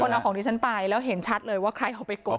เอาของดิฉันไปแล้วเห็นชัดเลยว่าใครเอาไปกด